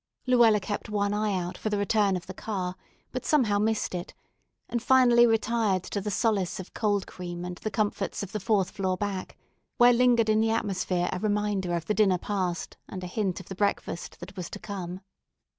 Luella kept one eye out for the return of the car, but somehow missed it, and finally retired to the solace of cold cream and the comforts of the fourth floor back, where lingered in the atmosphere a reminder of the dinner past and a hint of the breakfast that was to come.